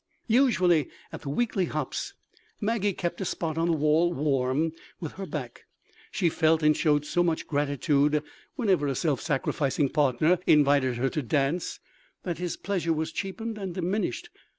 Usually at the weekly hops Maggie kept a spot on the wall warm with her back. She felt and showed so much gratitude whenever a self sacrificing partner invited her to dance that his pleasure was cheapened and diminished.